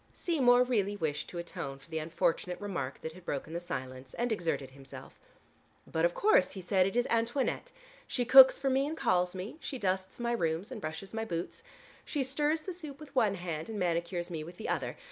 Seymour really wished to atone for the unfortunate remark that had broken the silence and exerted himself. "But of course," he said. "It is Antoinette. She cooks for me and calls me: she dusts my rooms, and brushes my boots. She stirs the soup with one hand and manicures me with the other.